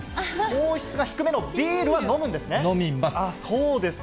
糖質が低めのビールは飲むん飲みます。